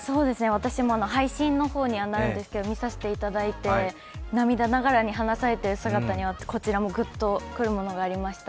私配信の方にはなるんですけど見させていただいて、涙ながらに話されている姿にこちらもグッとくるものがありました。